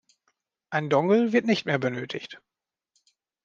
Ein Dongle wird nicht mehr benötigt.